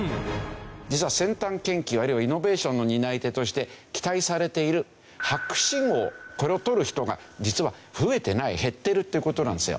実は先端研究あるいはイノベーションの担い手として期待されている博士号これを取る人が実は増えていない減っているという事なんですよ。